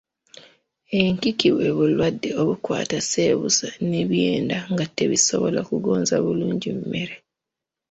Enkiki bwe bulwadde obukwata ssebusa n’ebyenda nga tebisobola kugonza bulungi mmere.